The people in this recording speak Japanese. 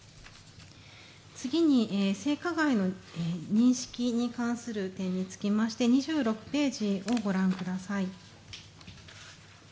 次に、性加害の認識に関する点につきまして２６ページをご覧ください。